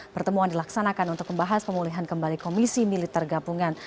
pertemuan dilaksanakan untuk membahas pemulihan kembali komisi militer gabungan